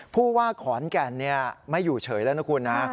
ผู้ว่าขอนแก่นไม่อยู่เฉยแล้วนะคุณนะ